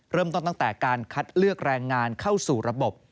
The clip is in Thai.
ตั้งแต่การคัดเลือกแรงงานเข้าสู่ระบบ